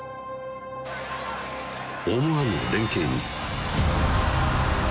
思わぬ連係ミス